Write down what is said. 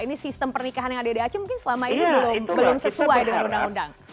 ini sistem pernikahan yang ada di aceh mungkin selama ini belum sesuai dengan undang undang